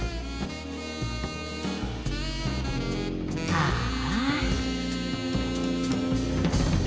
ああ。